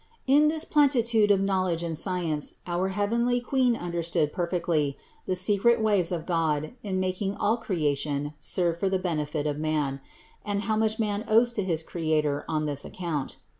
61. In this plenitude of knowledge and science our heavenly Queen understood perfectly the secret ways of God in making all creation serve for the benefit of man, and how much man owes to his Creator on this account.